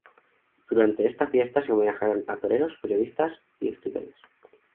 Durante esta fiesta se homenajearon a toreros, periodistas y escritores.